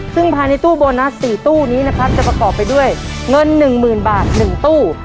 ซึ่งภายในตู้โบนัสสี่ตู้นี้นะครับจะประกอบไปด้วยเงินหนึ่งหมื่นบาทหนึ่งตู้